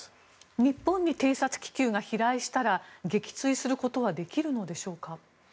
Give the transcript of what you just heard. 日本に偵察気球が飛来したら撃墜することはできるのでしょうか。